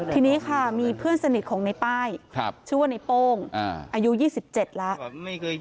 ทีนี้ค่ะมีเพื่อนสนิทของในป้ายชื่อว่าในโป้งอายุ๒๗แล้ว